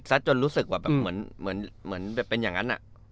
ถ้าเกิดเล่นที่ภาษมีจุดเพิ่งแบบเป็นอย่างนั้นน่ะ